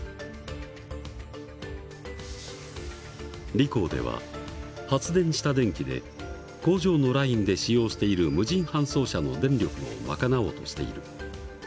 リコーでは発電した電気で工場のラインで使用している無人搬送車の電力を賄おうとしている。